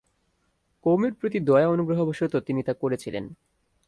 কওমের প্রতি দয়া অনুগ্রহবশত তিনি তা করেছিলেন।